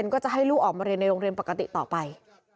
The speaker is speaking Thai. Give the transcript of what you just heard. ก็จะให้ลูกออกมาเรียนในโรงเรียนปกติต่อไป